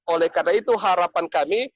oleh karena itu harapan kami